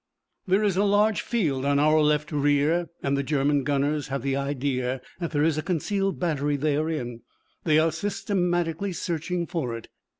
There is a large field on our left rear, and the German gunners have the idea that there is a concealed battery therein. They are systematically searching for it.